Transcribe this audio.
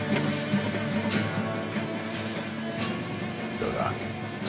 どうだ？